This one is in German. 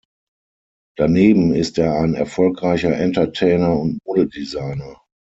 Daneben ist er ein erfolgreicher Entertainer und Modedesigner.